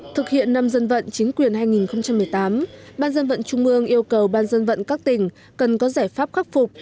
thực hiện năm dân vận chính quyền hai nghìn một mươi tám ban dân vận trung ương yêu cầu ban dân vận các tỉnh cần có giải pháp khắc phục